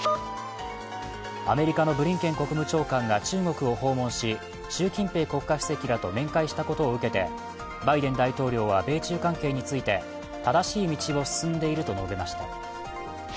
アメリカのブリンケン国務長官が中国を訪問し習近平国家主席らと面会したことを受けて、バイデン大統領は、米中関係について正しい道を進んでいると述べました。